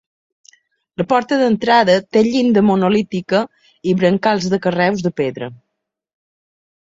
La porta d'entrada té llinda monolítica i brancals de carreus de pedra.